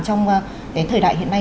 trong thời đại hiện nay